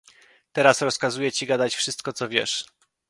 "Teraz rozkazuję ci gadać wszystko, co wiesz!"